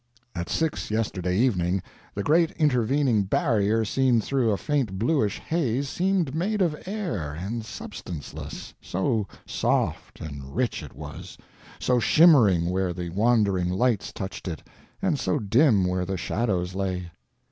At six yesterday evening the great intervening barrier seen through a faint bluish haze seemed made of air and substanceless, so soft and rich it was, so shimmering where the wandering lights touched it and so dim where the shadows lay.